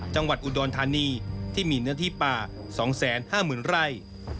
จังหวัดอุดรธานีที่มีเนื้อที่ป่า๒๕๐๐๐ไร่